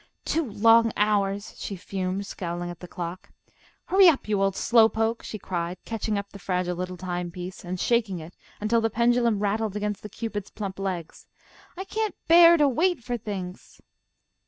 "Two long hours," she fumed, scowling at the clock. "Hurry up, you old slow poke," she cried, catching up the fragile little timepiece and shaking it until the pendulum rattled against the cupids' plump legs. "I can't bear to wait for things."